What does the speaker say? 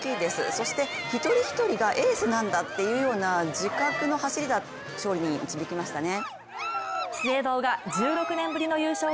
そして一人一人がエースなんだっていうような自覚の走りが勝利に導きましたね。